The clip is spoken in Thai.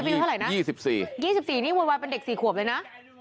คือ๒๔นิดนี่เวิยวันเป็นอีก๔ขวบนี่นะ